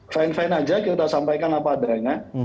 fine fine aja kita sampaikan apa adanya